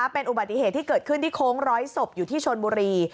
เป็นอุบัติเหตุที่เกิดขึ้นที่โค้งร้อยศพอยู่ที่ชนบุรี